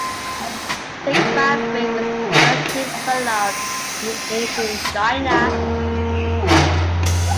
Silk fabric was first developed in ancient China.